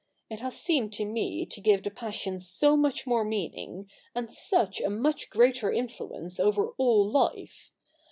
It has seemed to me to give the passion so much more meaning, and such a much greater influence over all life.